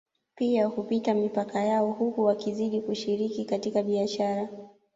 Pia hupita mipaka yao huku wakizidi kushiriki katika biashara